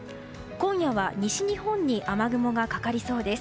今夜は西日本に雨雲がかかりそうです。